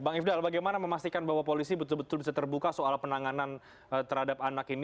bang ifdal bagaimana memastikan bahwa polisi betul betul bisa terbuka soal penanganan terhadap anak ini